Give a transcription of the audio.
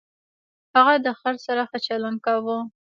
هغه د خر سره ښه چلند کاوه.